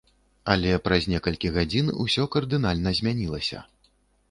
Але праз некалькі гадзін усё кардынальна змянілася.